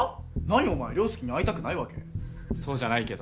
何お前良介に会いたくないわけ？